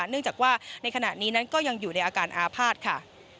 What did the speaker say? เนื่องจากว่าในขณะนี้นั้นก็ยังอยู่ในอาการอาภาษณ์ค่ะ